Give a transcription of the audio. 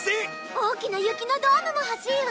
大きな雪のドームも欲しいわ。